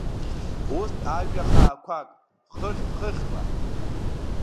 Ус ажәа хаақәак хыхь-хыхьла…